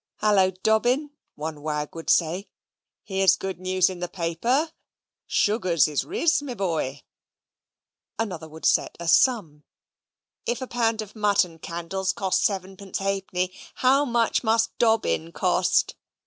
"Hullo, Dobbin," one wag would say, "here's good news in the paper. Sugars is ris', my boy." Another would set a sum "If a pound of mutton candles cost sevenpence halfpenny, how much must Dobbin cost?"